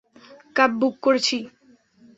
Cab book করেছি।